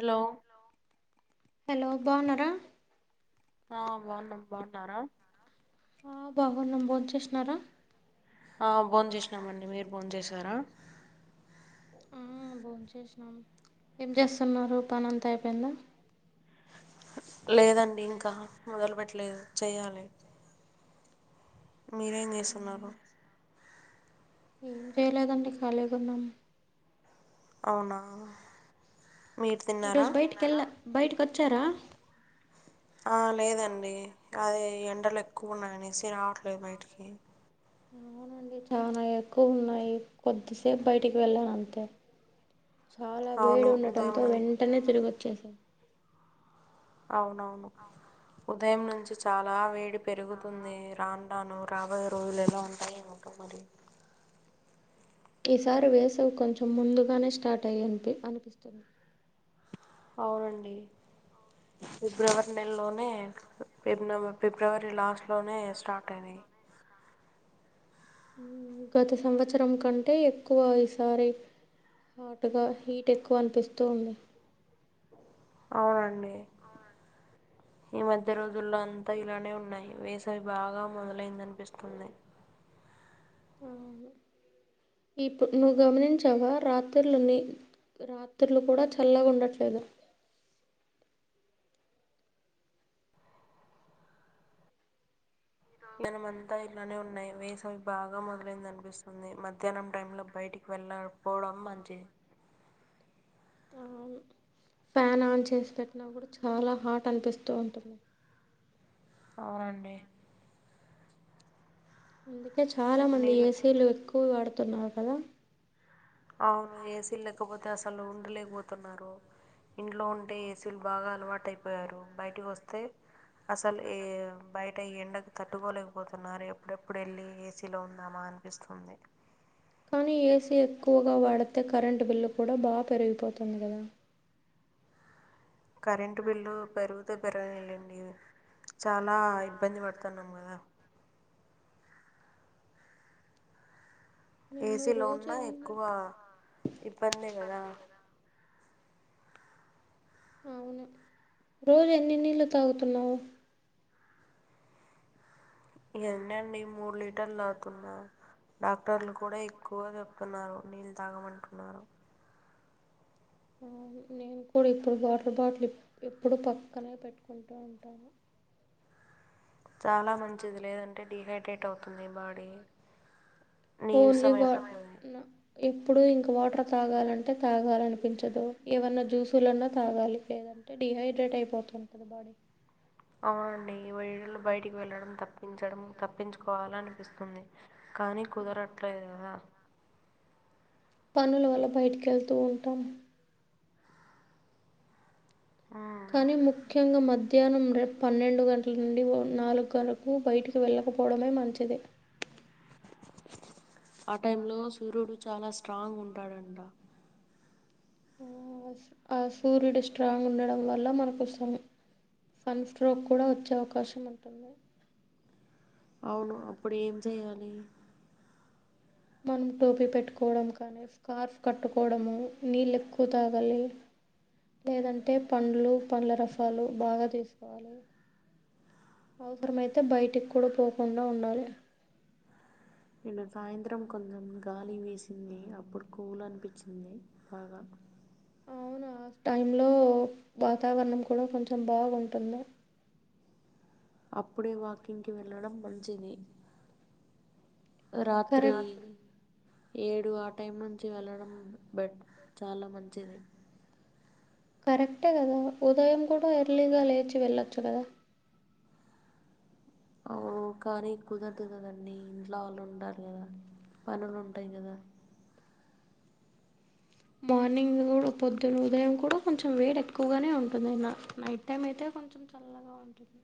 Hello hello బాగున్నారా ఆ బాగున్నాం బాగుంటారా ఆ బాబన్నమ్ బోన్ చేసినారా ఆ భోజనం చేసినామండి మీరు బోంద చేసారా బాగు చేసినాం ఏం చేస్తున్నారు పని అంత అయిపోయిందా లేదండి ఇంకా మొదలుపెట్ లేదు చేయాలి మీరేం అవునా చేస్తున్నారు ఏం చేయలేదండి ఖాళీ ఉన్నాము అవునా మీరు ఇట్ తిన్నారా వజ బయటికెలా బయటకి వచ్చారా ఆ లేదండి అదే ఎండలు ఎక్కువ ఉన్నాయనేసి రావట్లేదు బయటికి అవునండి చాలా ఎక్కువ ఉన్నాయి కొద్దిసేపు బయటికి వెళ్ళాను అంతే చాలా అవును వేడి ఉదయం ఉండటంతో నుం వెంటనే తిరుగు చ్చే సార్ అవునవును ఉదయం నుంచి చాలా వేడి పెరుగుతుంది రాంటను రాబోయే రోజులు ఎలా ఉంటాయి ఏమట మరి ఈసారి వేసవి కొంచెం ముందుగానే స్టార్ట్ అయ్యని అనిపిస్తుంది అవునండి ఫిబ్రవరి నెలలోని మనే ఎర్నోవా ఫిబ్రవరి లాస్ట్లోనే స్టార్ట్ అయినాయి గత సంవత్సరం కంటే ఎక్కువ ఈసారి హాట్గా హీట్ ఎక్కువ అనిపిస్తూ ఉంది అవునండి ఈ మధ్య రోజుల్లో అంతా ఇలానే ఉన్నాయి వేసవి బాగా మొదలైందనిపిస్తుంది ఇప్ నువ్వు గమనించావా రాత్రిలుని రాత్రులు కూడా చల్లగా ఉండట్లేదు జనమంతా ఇలానే ఉన్నాయి వేసవి బాగా మొదలైందనిపిస్తుంది మధ్యాహ్నం టైంలో బయటికి వెళ్ళకపోవడం మంచిది ఫ్యాన్ ఆన్ చేసి పెట్టినా కూడా చాలా హాట్ అనిపిస్తూ ఉంటుంది అవునండి అందుకే చాలా మంది నీళ్ళు ఏసీలు ఎక్కు పువ్ వాడుతున్నావు కదా అవును ఏసీలు లేకపోతే అసలు ఉండలేకపోతున్నారు ఇంట్లో ఉంటే ఏసీలు బాగా అలవాటు అయిపోయారు బయటికి వస్తే అసలు ఏ బయట ఈ ఎండకు తట్టుకోలేకపోతున్నారు ఎప్పుడెప్పుడు వెళ్ళి ఏసీలో ఉందామా అనిపిస్తుంది కానీ ఏసీ ఎక్కువగా వాడితే కరెంటు బిల్లు కూడా బాగా పెరిగిపోతుంది కదా కరెంటు బిల్లు పెరిగుతే పెరగనిలేండి చాలా ఇబ్బంది పడుతున్నాం కదా నిన్ను ఏసీలో రోజు ఉన్నా ఎన్ని ఎక్కువ ఇబ్బందే కదా అవును రోజు ఎన్ని నీళ్లు తాగుతున్నావు ఎనండి మూడు లీటర్లు తాగుతున్న డాక్టర్లు కూడా ఎక్కువ చే ఉన్నారు నీళ్ళు తాగమంటున్నారు నేను కూడా ఇప్పుడు వాటర్ బాటిల్ ఎప్పుడు పక్కనే పెట్టుకుంటూ ఉంటాను చాలా మంచిది లేదంటే డిహైడ్రేట్ అవుతుంది బాడీ పోలీ నీరసం వాన్ అయిపోతుంది న ఎప్పుడు ఇంకా వాటర్ తాగాలంటే తాగాలనిపించదు ఏవన్నా జ్యూసులన్నా తాగాలి లేదంటే డిహైడ్రేట్ అయిపోతుంటది బాడీ అవునండి ఈ వేడి లో బయటికి వెళ్ళడం తప్పించ డం తప్పించుకోవాల అనిపిస్తుంది కానీ కుదరట్లేదు కదా పనులు వల్ల బయటికి వెళ్తూ ఉంటాము మ్మ్. కానీ ముఖ్యంగా మధ్యాహ్నం రే పన్నెండు గంటల నుండి నాలుగు వరకు బయటికి వెళ్ళకపోవడమే మంచిది ఆ టైం లో సూర్యుడు చాలా స్ట్రాంగ్ ఉంటాడంట ఆ సూర్యుడు స్ట్రాంగ్ ఉండడం వల్ల మనకు సన్ సన్ స్ట్రోక్ కూడా వచ్చే అవకాశం ఉంటుంది అవును అప్పుడు ఏం చేయాలి మనం టోపీ పెట్టుకోవడం కానీ స్కార్ఫ్ కట్టుకోవడము నీళ్ళు ఎక్కువ తాగలి లేదంటే పండ్లు పండ్ల రసాలు బాగా తీసుకోవాలి అవసరమైతే బయటికి కూడా పోకుండా ఉండాలి నిన్న సాయంత్రం కొంచెం గాలి విసింది అప్పుడు కూల్ అనిపించింది బాగా అవునా టైం లో వాతావరణం కూడా కొంచెం బాగుంటుంది అప్పుడే వాకింగ్కి వెళ్ళడం మంచిది రాత్రి కరెక్ట్ ఏడు ఆ టైం నుంచి వెళ్ళడం బెట్ చాలా మంచిది కరెక్టే కదా ఉదయం కూడా ఎర్లీగా లేచి వెళ్ళొచ్చు కదా అవును కానీ కుదరదు కదండడి ఇంట్లో వాళ్ళు ఉంటారు కదా పనులు ఉంటాయి కదా మార్నింగ్ కూడా పొద్దున ఉదయం కూడా కొంచెం వేడి ఎక్కువగానే ఉంటుందయినా నైట్ టైం అయితే కొంచెం చల్లగా ఉంటుంది.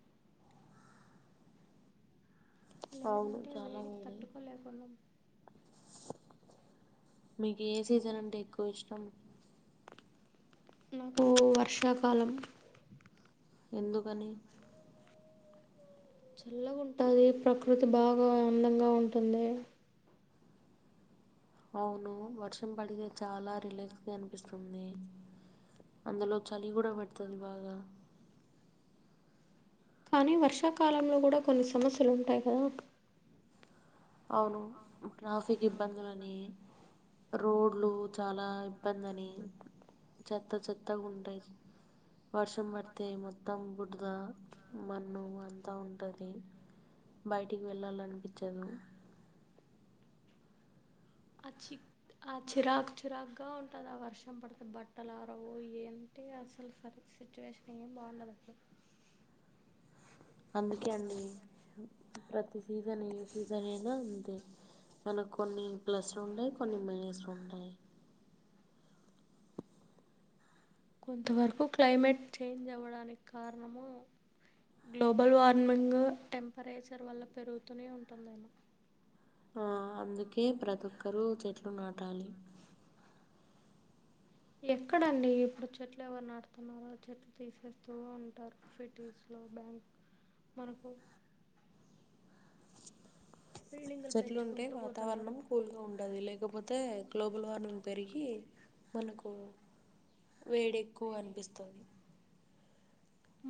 అవును లేదంటే చాలా వేడికి వేడి తట్టుకోలేకున్నాం. మీకు ఏ సీజన్ అంటే ఎక్కువ ఇష్టం నాకు వర్షాకాలం ఎందుకని చల్లగుంటది ప్రకృతి బాగా అందంగా ఉంటుంది. అవును వర్షం పడితే చాలా రిలాక్స్ గా అనిపిస్తుంది అందులో చలి కూడా పెడుతుంది బాగా కానీ వర్షాకాలంలో కూడా కొన్ని సమస్యలుంటాయి కదా అవును ట్రాఫిక్ ఇబ్బందులని రోడ్లు చాలా ఇబ్బంది అని చెత్త చెత్తగా ఉంటాయి వర్షం పడితే మొత్తం బుడ్ద మన్ను అంతా ఉంటుంది. బయటికి వెళ్ళాలనిపించదు. ఆ చిక్ ఆ చిరాకు చిరాకుగా ఉంటది ఆ వర్షం పడితే బట్టలారవు ఏంటి అసలు సరిగ్గ సిచ్యువేషన్ ఏం బాగుండదు అప్పుడు అందుకే అండి ప్రతి సీజన్ ఏ సీజన్ అయినా అంతే మనకు కొన్ని ప్లస్లు ఉంటయి కొన్ని మైనస్లు ఉంటాయి. కొంతవరకు క్లైమేట్ చేంజ్ అవ్వడానికి కారణము గ్లోబల్ వార్మింగ్ టెంపరేచర్ వల్ల పెరుగుతూనే ఉంటుందేమో ఆ అందుకే ప్రతి ఒక్కరు చెట్లు నాటాలి. ఎక్కడండి ఇప్పుడు చెట్లు ఎవరు నాడుతున్నారో చెట్లు తీసేస్తూ ఉంటారు సిటీస్ లో బ్యాంక్ మనకు బిల్డింగులు చెట్లు ఉంటే పెంచుకుంటూ వాతావరణం పోతున్నారు కూల్గా ఉంటది లేకపోతే గ్లోబల్ వార్మింగ్ పెరిగి మనకు వేడి ఎక్కువ అనిపిస్తుంది.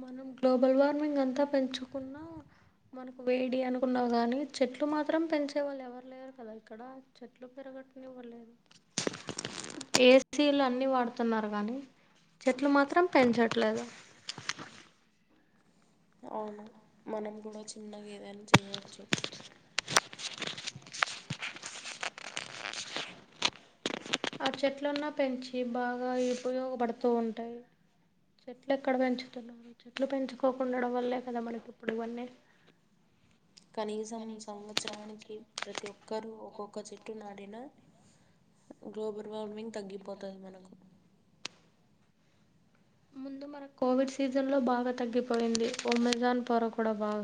మనం గ్లోబల్ వార్మింగ్ అంతా పెంచుకున్నా మనకు వేడి అనుకున్నావు. కానీ చెట్లు మాత్రం పెంచే వాళ్ళు ఎవరు లేరు కదా ఇక్కడ చెట్లు పెరగటనివ్వలేదు. ఏసీలు అన్ని వాడుతున్నారు కానీ చెట్లు మాత్రం పెంచట్లేదు. అవునా మనం కూడా చిన్నగా ఏదైనా చేయ్యచ్చు. ఆ చెట్లన్నా పెంచి బాగా ఉపయోగపడుతూ ఉంటాయి. చెట్లు ఎక్కడ పెంచుతున్నారు చెట్లు పెంచుకోకుండడం వల్లే కదా మనకి ఇప్పుడు ఇవన్నీ కనీసం సంవత్సరానికి ప్రతి ఒక్కరు ఒకోక్ ఒక్క చెట్టు నాడినా గ్లోబల్ వార్మింగ్ తగ్గిపోతది మనకు ముందు మన కోవిడ్ సీజన్లో బాగా తగ్గిపోయింది ఒమెజాన్ పొర కూడా బాగ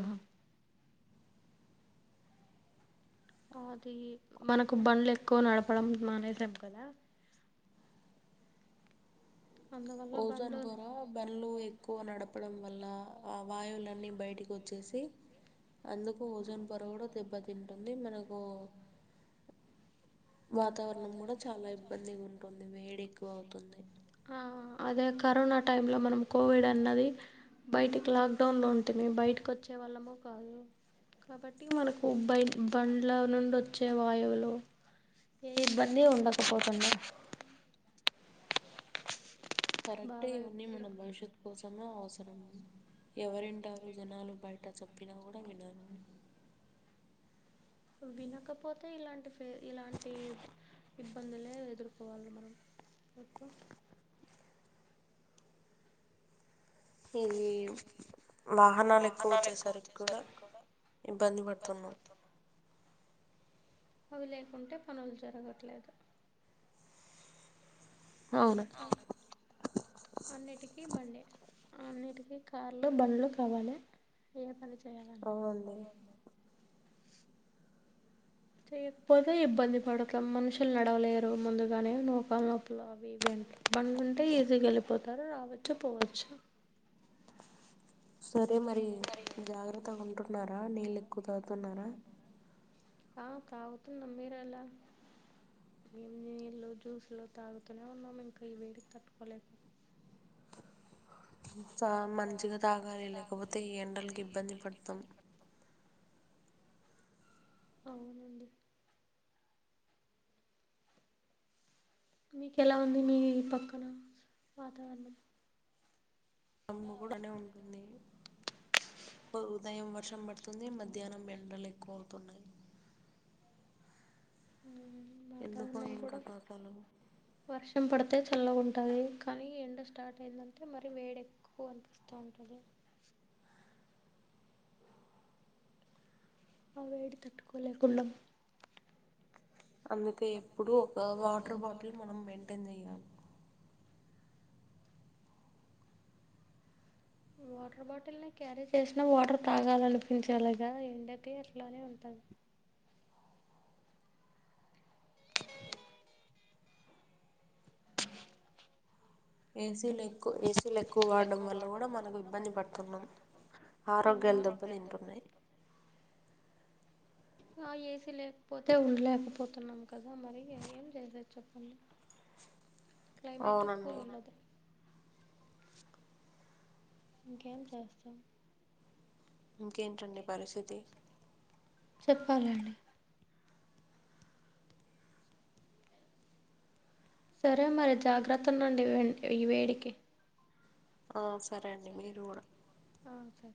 అది మనకు బండ్లు ఎక్కువ నడపడం మానేసాం కదా అందువల్ల ఓజోన్ బండ్లు ద్వారా బండ్లు ఎక్కువ నడప నడపడం వల్ల ఆ వాయువులన్నీ బయటికి వచ్చేసి అందుకు ఓజోన్ పొర కూడా దెబ్బతింటుంది మనకు వాతావరణం కూడా చాలా ఇబ్బందిగుంటుంది. వేడి ఎక్కువ అవుతుంది. ఆ అదే కరోనా టైంలో మనం కోవిడ్ అన్నది బయటికి లాక్డౌన్లో ఉంటుంది. బయటకు వచ్చే వాళ్ళము కాదు కాబట్టి మనకు బయ బండ్ల నుండి వచ్చే వాయువులు ఏ ఇబ్బంది ఉండకపోతుండ కరెక్టే బాగా ఇవన్నీ ఇప్పుడు మన భవిష్యత్ కోసమే ఆ అవసరం ఎవరింటారు జనాలు బయట చెప్పినా కూడా వినరు. వినకపోతే ఇలాంటి ఫ ఇలాంటి ఇబ్బందులే ఎదుర్కోవాలి మనం ఎప్పు ఇవి వాహనాలు ఎక్కువచ్చేసరికి కూడా ఇబ్బంది పడుతున్నాం. అవి లేకుంటే పనులు జరగట్లేదు. అవును అన్నిటికి బండె అన్నిటికిీ కార్లు బండ్లు కావాలి. ఏ పని చేయా అవ్వండి. చేయకపోతే ఇబ్బంది పడతం మనుషులు నడవలేరు ముందుగానే మోకాళ్ళ నొప్పులు అవి ఇవి అంటారు. బండ్లు ఉంటే ఈజీగా వెళ్ళిపోతారు రావచ్చు పోవచ్చు. సరే మరి జాగ్రత్తగా ఉంటు న్నారా నీళ్ళ ఎక్కువ తాగుతున్నారా ఆ తాగుతున్నాం మీరు ఎలా మేము నీళ్ళు జ్యూస్లు తాగుతూనే ఉన్నాం ఇంకా ఇ వేడికి తట్టుకోలేక ఓ [unintelligible] మంచిగా తాగాలి లేకపోతే ఈ ఎండలకి ఇబ్బంది పడతాం అవునండి మీకు ఎలా ఉంది మీ పక్కన వాతావరణం రంగు కూడానే ఉంటుంది, ఉదయం వర్షం పడుతుంది మధ్యాహ్నం ఎండలు ఎక్కువ అవుతున్నాయి ఎందుకో వాతావరణం ఏం కూడా కథో అసలు వర్షం పడు అతే చల్లగా ఉంటుంది, కానీ ఎండ స్టార్ట్ అయిందంటే మరి వేడి ఎక్కువ అనిపిస్తూ ఉంటుంది ఆ వేడి తట్టుకోలేక ఉన్నాం అందుకే ఎప్పుడు ఒక వాటర్ బాటిల్ మనం మెయింటైన్ చెయాలి వాటర్ బాటిల్ని క్యారీ చేసినా వాటర్ తాగాలనిపించేలాగా ఎండకి ఎట్లానే ఉంటుంది ఏసీలు ఎక్కు ఏసీలు ఎక్కువ వాడడం వల్ల కూడా, మనకు ఇబ్బంది పడుతున్నాం ఆరోగ్యాలు అవును దెబ్బతింటున్నాయి. ఆ ఎ సి లేకపోతే ఉండలేకపోతున్నాం కదా మరి ఏం చేసచ్చ చెప్పండి క్లైమేటు కూల్ అవునండి ఉన్నాడదు ఇంకేం చేస్తాం ఇంకేంటండి పరిస్థితి చెప్పాలండి సరే మరి జాగ్రత్త ఉండండి ఈ వేడికి ఆ సరే అండి మీరు కూడా అ సరే